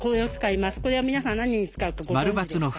これは皆さん何に使うかご存じですか？